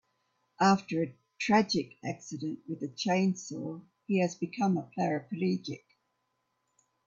After a tragic accident with a chainsaw he has become a paraplegic.